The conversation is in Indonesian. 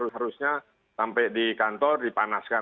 harusnya sampai di kantor dipanaskan